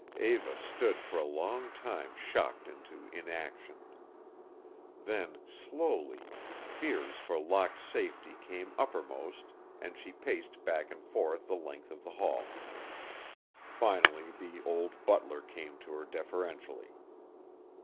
Eva stood for a long time shocked into inaction. Then, slowly, fears for Locke's safety came uppermost and she paced back and forth the length of the hall. Finally the old butler came to her deferentially.